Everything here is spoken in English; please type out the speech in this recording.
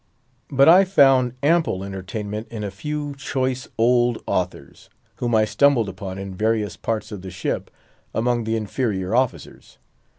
But I found ample entertainment in a few choice old authors, whom I stumbled upon in various parts of the ship, among the inferior officers.